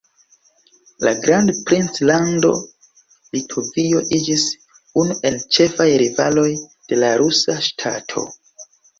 La Grandprinclando Litovio iĝis unu el ĉefaj rivaloj de la rusa ŝtato.